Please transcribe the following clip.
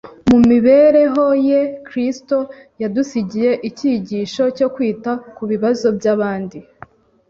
Mu mibereho ye, Kristo yadusigiye icyigisho cyo kwita ku bibazo by’abandi.